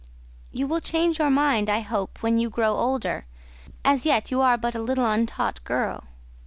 "You will change your mind, I hope, when you grow older: as yet you are but a little untaught girl."